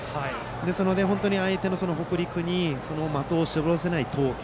ですので相手の北陸に的を絞らせない投球。